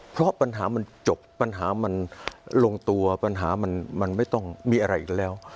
เพราะปัญหามันจบปัญหามันลงตัวปัญหามันไม่ต้องมีอะไรอีกแล้ว